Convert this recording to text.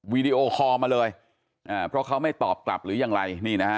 วีดีโอคอลมาเลยเพราะเขาไม่ตอบกลับหรือยังไรนี่นะฮะ